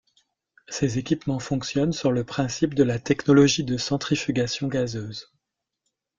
Ces équipements fonctionnent sur le principe de la technologie de centrifugation gazeuse.